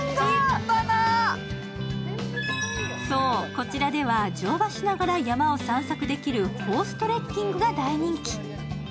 こちらでは乗馬しながら山を散策できるホーストレッキングが大人気。